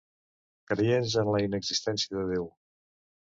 Creients en la inexistència de Déu.